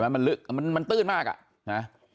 แต่มันลึกมันตื้นมากอะ